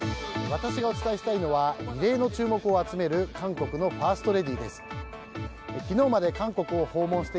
私がお伝えしたいのは異例の注目を集める韓国のファーストレディーです。